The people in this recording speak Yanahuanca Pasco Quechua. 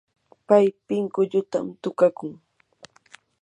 pay pinkullutam tukakun.